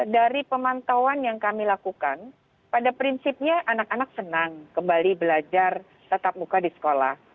dari pemantauan yang kami lakukan pada prinsipnya anak anak senang kembali belajar tetap muka di sekolah